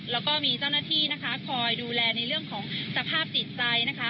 แล้วก็มีเจ้าหน้าที่นะคะคอยดูแลในเรื่องของสภาพจิตใจนะคะ